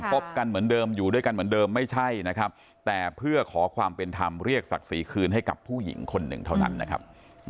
บกันเหมือนเดิมอยู่ด้วยกันเหมือนเดิมไม่ใช่นะครับแต่เพื่อขอความเป็นธรรมเรียกศักดิ์ศรีคืนให้กับผู้หญิงคนหนึ่งเท่านั้นนะครับ